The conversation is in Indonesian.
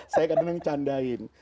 saya kadang kadang ngecandain